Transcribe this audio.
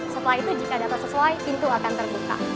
setelah itu jika data sesuai pintu akan terbuka